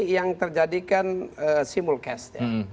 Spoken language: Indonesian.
yang terjadikan simulcast